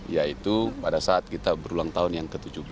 yaitu pada saat kita berulang tahun yang ke tujuh belas